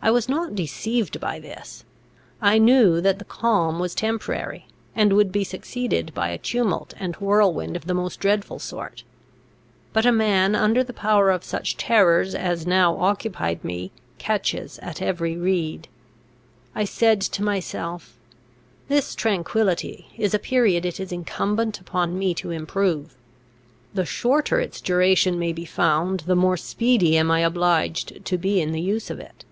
I was not deceived by this. I knew that the calm was temporary, and would be succeeded by a tumult and whirlwind of the most dreadful sort. But a man under the power of such terrors as now occupied me catches at every reed. I said to myself, "This tranquillity is a period it is incumbent upon me to improve; the shorter its duration may be found, the more speedy am I obliged to be in the use of it."